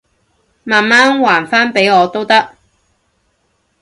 慢慢還返畀我都得